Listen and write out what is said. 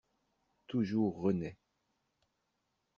Toujours renaît